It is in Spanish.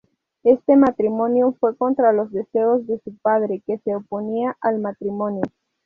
Este matrimonio fue contra los deseos de su padre, que se oponía al matrimonio.